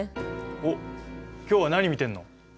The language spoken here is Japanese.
おっ今日は何見てるの？